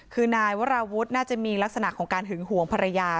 คือนายวราวุฒิน่าจะมีลักษณะของการหึงห่วงภรรยา